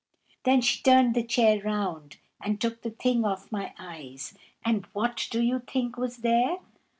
Then she turned the chair round, and took the thing off my eyes, and—what do you think was there?